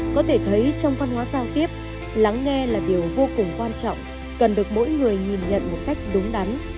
có thể thấy trong văn hóa giao tiếp lắng nghe là điều vô cùng quan trọng cần được mỗi người nhìn nhận một cách đúng đắn